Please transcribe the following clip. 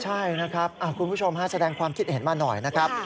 ใช่นะครับคุณผู้ชมแสดงความคิดเห็นมาหน่อยนะครับ